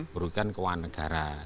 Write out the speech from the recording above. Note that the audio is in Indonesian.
berhubungan keuangan negara